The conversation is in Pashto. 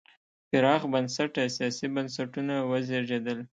پراخ بنسټه سیاسي بنسټونه وزېږېدل.